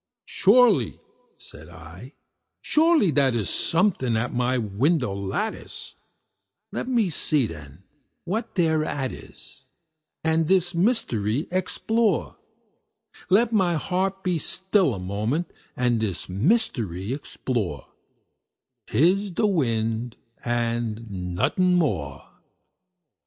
"Surely," said I, "surely that is something at my window lattice; Let me see, then, what thereat is, and this mystery explore Let my heart be still a moment, and this mystery explore; 'Tis the wind and nothing more."